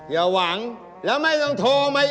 อย่าหวังแล้วไม่ต้องโทรมา